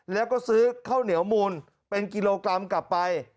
แล้วก็ซื้อข้าวเหนียวมูลเป็นกิโลกรัมกลับไป